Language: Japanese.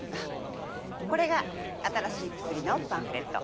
これが新しい薬のパンフレット。